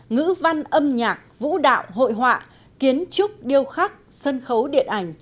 ngữ văn hóa đều tham gia vào sự phát triển trên cốt lõi bài bản cổ cùng giá trị và bản sắc